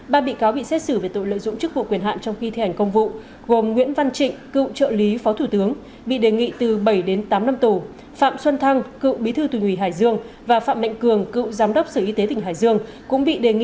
ba bị cáo bị xét xử về tội lợi dụng chức vụ quyền hạn trong khi thi hành công vụ gồm nguyễn văn trịnh cựu trợ lý phó thủ tướng bị đề nghị từ bảy đến tám năm tù